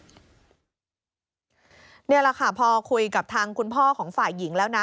นี่แหละค่ะพอคุยกับทางคุณพ่อของฝ่ายหญิงแล้วนะ